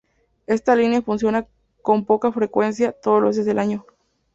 Esta línea funciona con poca frecuencia, todos los días del año.